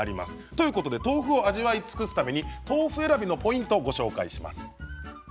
ということで豆腐を味わい尽くすために豆腐選びのポイントをご紹介します。